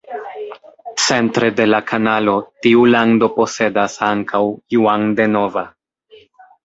Centre de la kanalo, tiu lando posedas ankaŭ Juan de Nova.